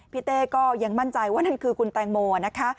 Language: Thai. เต้ก็ยังมั่นใจว่านั่นคือคุณแตงโมนะคะ